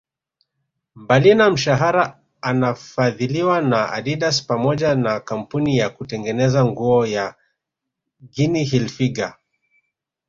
Mbalina mshahara anafadhiliwa na Adidas pamoja na kampuni ya kutengeneza nguo ya Ginny Hilfiger